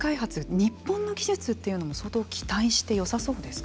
日本の技術というのも相当期待してよさそうですか。